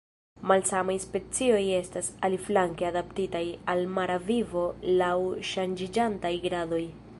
Malsamaj specioj estas, aliflanke, adaptitaj al mara vivo laŭ ŝanĝiĝantaj gradoj.